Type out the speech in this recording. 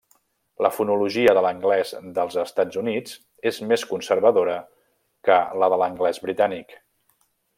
La fonologia de l'anglès dels Estats Units és més conservadora que la de l'anglès britànic.